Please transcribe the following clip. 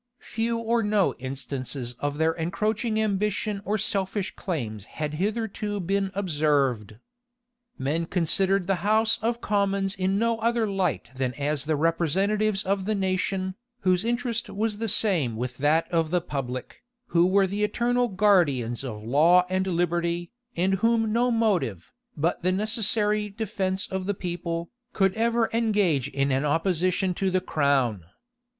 Few or no instances of their encroaching ambition or selfish claims had hitherto been observed. Men considered the house of commons in no other light than as the representatives of the nation, whose interest was the same with that of the public, who were the eternal guardians of law and liberty, and whom no motive, but the necessary defence of the people, could ever engage in an opposition to the crown.